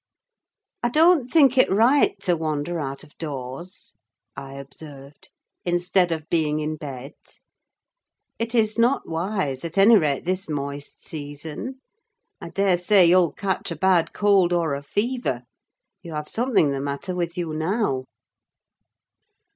"I don't think it right to wander out of doors," I observed, "instead of being in bed: it is not wise, at any rate this moist season. I daresay you'll catch a bad cold, or a fever: you have something the matter with you now!"